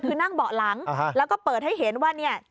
คือนั่งเบาะหลังแล้วก็เปิดให้เห็นว่าเนี่ย